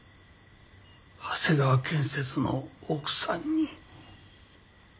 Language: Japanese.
長谷川建設の奥さんに。